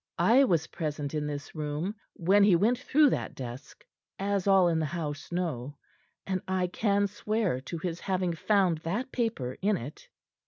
"I was present in this room when he went through that desk, as all in the house know; and I can swear to his having found that paper in it."